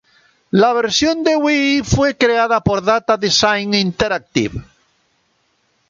La versión de Wii fue creada por Data Design Interactive.